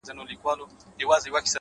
• ما د وحشت په زمانه کي زندگې کړې ده،